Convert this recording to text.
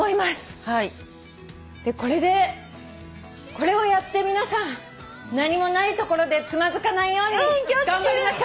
これでこれをやって皆さん何もない所でつまずかないように頑張りましょう。